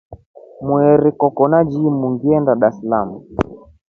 Mweri koko na chimu ngiliinda Darsalamu.